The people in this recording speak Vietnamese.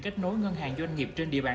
kết nối ngân hàng doanh nghiệp trên địa bàn